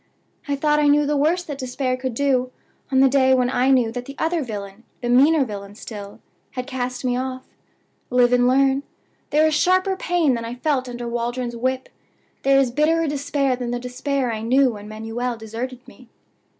I thought I knew the worst that despair could do on the day when I knew that the other villain, the meaner villain still, had cast me off. Live and learn. There is sharper pain than I felt under Waldron's whip; there is bitterer despair than the despair I knew when Manuel deserted me.